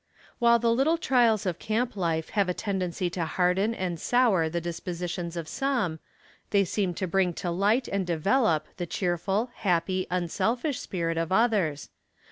While the little trials of camp life have a tendency to harden and sour the dispositions of some, they seem to bring to light and develop the cheerful, happy, unselfish spirit of others.